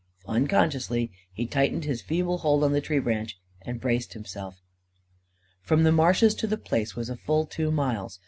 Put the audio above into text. _" Unconsciously he tightened his feeble hold on the tree branch and braced himself. From the marshes to The Place was a full two miles.